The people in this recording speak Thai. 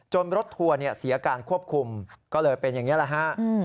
รถทัวร์เสียการควบคุมก็เลยเป็นอย่างนี้แหละฮะ